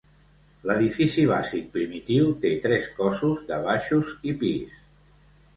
L'edifici bàsic primitiu té tres cossos, de baixos i pis.